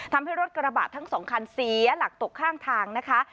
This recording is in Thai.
ทำให้รถกระบะทั้งสองคันเสียหลักตกข้างทางนะคะ